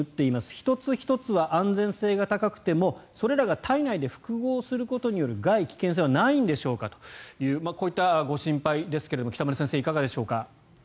１つ１つは安全性が高くてもそれらが体内で複合することによる害、危険性はないんでしょうかというこういったご心配ですけれども北村先生、いかがでしょうか。